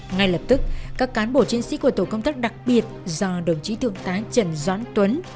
ngay lập tức các cán bộ chiến sĩ của tổ công tác đặc biệt do đồng chí thượng tá trần doãn tuấn